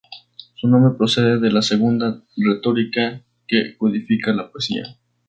Su nombre procede de la "segunda retórica", que codifica la poesía.